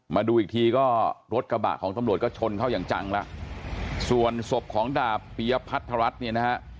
มาดูอีกทีก็รถกระบะของทำลวดก็ชนเขาอย่างจังละส่วนศพของดาบเปียพัทรรัฐนี่นะฮะ